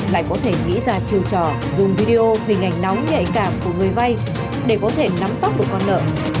lại có thể nghĩ ra chiều trò dùng video hình ảnh nóng nhạy cảm của người vay để có thể nắm tóc được con nợ